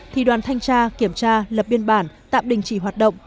thì đoàn thanh tra kiểm tra lập biên bản tạm đình chỉ hoạt động